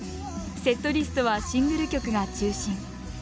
セットリストはシングル曲が中心。